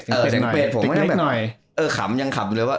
เป็ดเล็กหน่อยเออขำยังขำเลยว่า